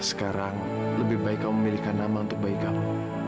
sekarang lebih baik kamu memilihkan nama untuk bayi kamu